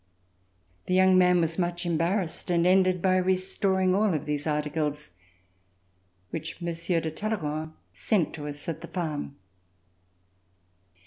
The young man was much embarrassed and ended by restoring all of these articles, which Monsieur de Talleyrand sent to us at the farm.